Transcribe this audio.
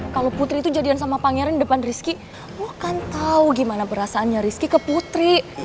kalau putri itu jadian sama pangeran di depan rizky gue kan tau gimana perasaannya rizky ke putri